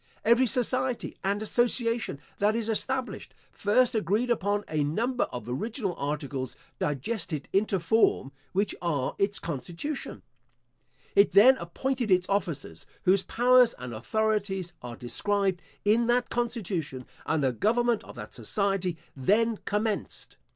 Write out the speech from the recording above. Every society and association that is established, first agreed upon a number of original articles, digested into form, which are its constitution. It then appointed its officers, whose powers and authorities are described in that constitution, and the government of that society then commenced.